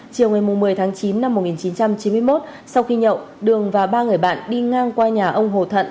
chiều ngày một mươi tháng chín năm một nghìn chín trăm chín mươi một sau khi nhậu đường và ba người bạn đi ngang qua nhà ông hồ thận